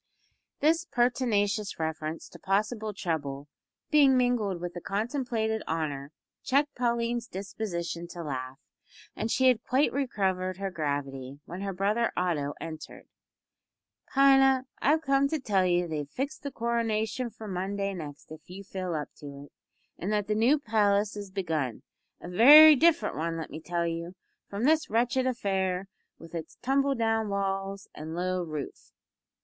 This pertinacious reference to possible trouble being mingled with the contemplated honour checked Pauline's disposition to laugh, and she had quite recovered her gravity when her brother Otto entered. "Pina, I've come to tell you that they've fixed the coronation for Monday next if you feel up to it, and that the new palace is begun a very different one, let me tell you, from this wretched affair with its tumble down walls and low roof."